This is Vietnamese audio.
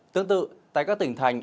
tương tự tại các tỉnh thành